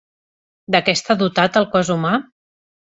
De què està dotat el cos humà?